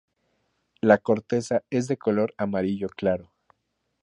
La corteza es de color amarillo claro.